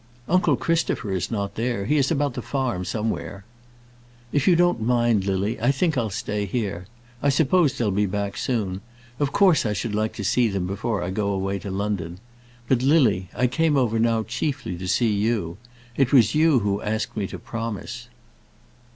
"Uncle Christopher is not there. He is about the farm somewhere." "If you don't mind, Lily, I think I'll stay here. I suppose they'll be back soon. Of course I should like to see them before I go away to London. But, Lily, I came over now chiefly to see you. It was you who asked me to promise."